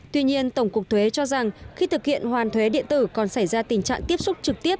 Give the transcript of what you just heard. tuy nhiên tổng cục thuế cho rằng khi thực hiện hoàn thuế điện tử còn xảy ra tình trạng tiếp xúc trực tiếp